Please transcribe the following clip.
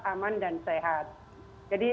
aman dan sehat jadi